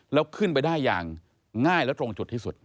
แล้วขึ้นไปได้อย่างง่ายและตรงจุดที่สุด